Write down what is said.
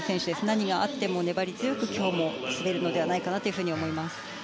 何があっても粘り強く、今日も滑るのではないかと思います。